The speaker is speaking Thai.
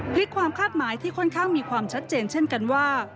พลิกความคาดหมายที่ค่อนข้างมีความชัดเจนเช่นกันว่า